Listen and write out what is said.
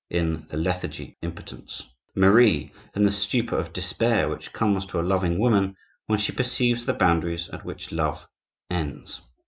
in the lethargy of impotence, Marie in the stupor of despair which comes to a loving woman when she perceives the boundaries at which love ends.